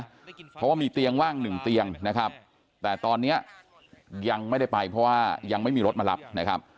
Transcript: เพราะว่ามีเตียงว่างหนึ่งเตียงนะครับแต่ตอนนี้ยังไม่ได้ไปเพราะว่ายังไม่มีรถมารับนะครับ